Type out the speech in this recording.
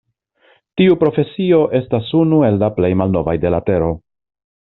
Tiu profesio estas unu el la plej malnovaj de la tero.